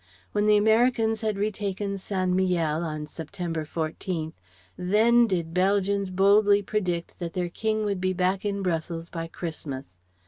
When the Americans had retaken St. Mihiel on September 14, then did Belgians boldly predict that their King would be back in Brussels by Christmas.